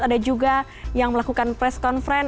ada juga yang melakukan press conference